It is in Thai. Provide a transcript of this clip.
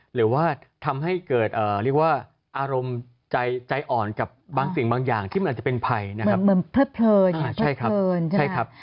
หรือว่าทำให้เกิดอารมณ์ใจอ่อนกับบางสิ่งบางอย่างที่มันจะเป็นภัยมันเพิ่มเพิ่มหน่อย